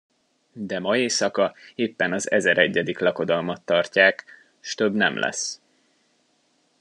De ma éjszaka éppen az ezeregyedik lakodalmat tartják, s több nem lesz.